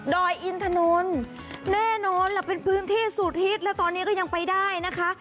อยอินถนนแน่นอนล่ะเป็นพื้นที่สุดฮิตและตอนนี้ก็ยังไปได้นะคะ